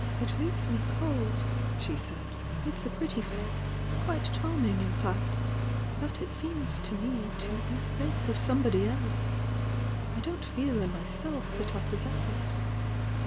"It leaves me cold!" she said. "It's a pretty face fluite charming, in fact!— but it seems t« me to be the face of somebody else! I don't feel in my self that I possess it!